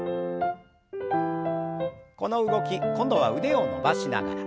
この動き今度は腕を伸ばしながら。